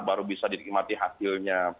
baru bisa diikmati hasilnya